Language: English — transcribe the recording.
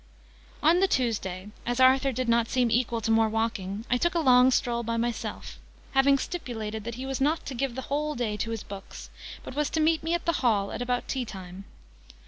On the Tuesday, as Arthur did not seem equal to more walking, I took a long stroll by myself, having stipulated that he was not to give the whole day to his books, but was to meet me at the Hall at about tea time.